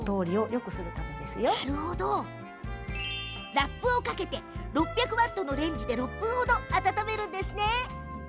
ラップをかけて６００ワットのレンジで６分程温めます。